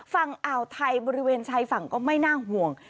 ฝั่งอ่าวไทยบริเวณชายฝั่งก็ไม่น่าห่วง